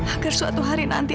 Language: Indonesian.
agar suatu hari nanti